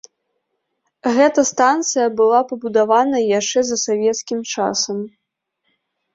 Гэта станцыя была пабудавана яшчэ за савецкім часам.